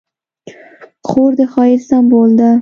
خور د ښایست سمبول ده.